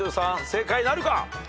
正解なるか？